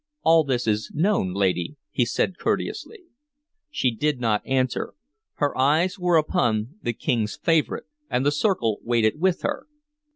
"All this is known, lady," he said courteously. She did not answer; her eyes were upon the King's favorite, and the circle waited with her.